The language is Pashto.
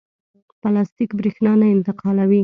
پلاستیک برېښنا نه انتقالوي.